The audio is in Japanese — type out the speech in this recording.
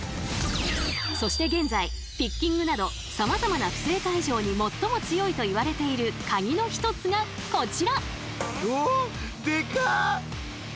そして現在ピッキングなどさまざまな不正解錠にもっとも強いといわれているカギの一つがこちら！